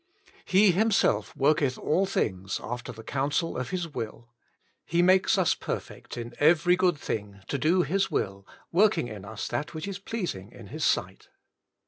He Himself worketh all things after the coun sel of His will. "He makes us perfect in every good thing to do His will, working in us that which is pleasing in His sight."